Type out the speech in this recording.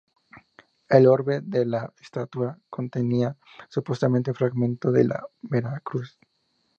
El orbe de la estatua contenía supuestamente un fragmento de la Vera Cruz.